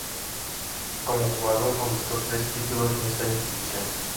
Como jugador conquistó tres títulos en esa institución.